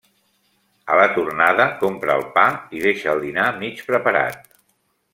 A la tornada compra el pa i deixa el dinar mig preparat.